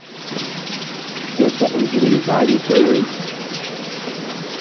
Ke sɔk nzukri ɓahri se.